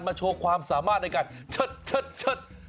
มาโชว์ความสามารถในการเชิดเชิดเชิด